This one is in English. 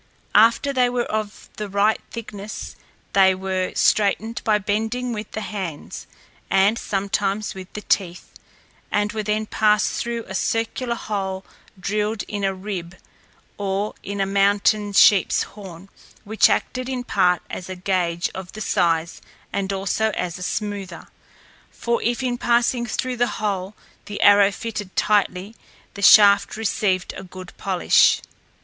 After they were of the right thickness, they were straightened by bending with the hands, and sometimes with the teeth, and were then passed through a circular hole drilled in a rib, or in a mountain sheep's horn, which acted in part as a gauge of the size and also as a smoother, for if in passing through the hole the arrow fitted tightly, the shaft received a good polish.